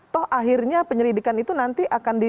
tuh akhirnya penyelidikan itu nanti